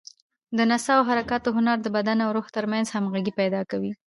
د نڅا او حرکاتو هنر د بدن او روح تر منځ همغږي پیدا کوي.